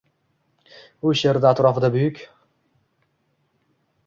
U she’rida atrofida buyuk.